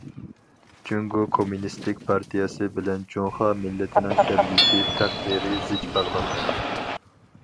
جۇڭگو كوممۇنىستىك پارتىيەسى بىلەن جۇڭخۇا مىللىتىنىڭ كەلگۈسى تەقدىرى زىچ باغلانغان.